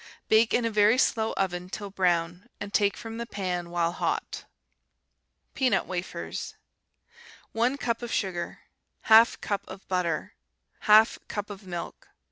Bake in a very slow oven till brown, and take from the pan while hot. Peanut Wafers 1 cup of sugar. 1/2 cup of butter. 1/2 cup of milk.